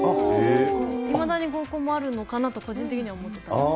いまだに合コンもあるのかなと、個人的には思ってたりします。